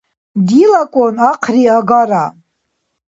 Дилакӏун ахъри агара?